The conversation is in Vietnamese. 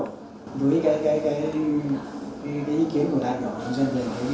với cái ý kiến của đại biểu của dân về cái việc khai thác cái xoài ở dưới bầy